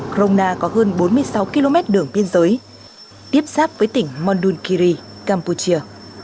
crona có hơn bốn mươi sáu km đường biên giới tiếp sáp với tỉnh môn đôn kỳ campuchia